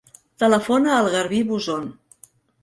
Telefona al Garbí Bouzon.